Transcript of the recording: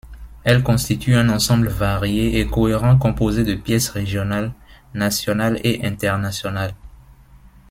Elle constitue un ensemble varié et cohérent composé de pièces régionales, nationales et internationales.